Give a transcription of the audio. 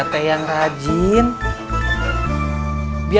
tem zugang relaxation lama